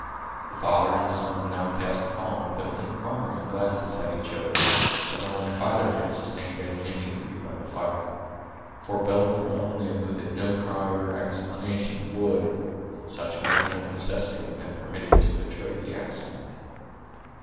The father and son now cast calm but inquiring glances at each other, to learn if either had sustained any injury by the fire; for both well knew that no cry or exclamation would, in such a moment of necessity have been permitted to betray the accident.